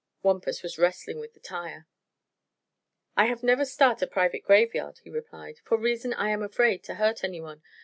Wampus was wrestling with the tire. "I have never start a private graveyard," he replied, "for reason I am afraid to hurt anyone.